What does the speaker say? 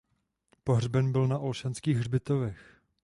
Pohřben byl na Olšanských hřbitovech.